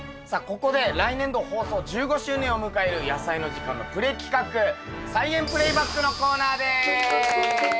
ここで来年度放送１５周年を迎える「やさいの時間」のプレ企画「菜園プレイバック」のコーナーです！